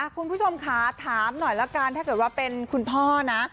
คุณผู้ชมค่ะถามหน่อยละกันถ้าเกิดว่าเป็นคุณพ่อนะ